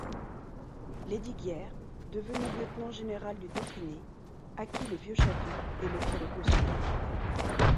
Lesdiguières, devenu lieutenant-général du Dauphiné, acquit le vieux château et le fit reconstruire.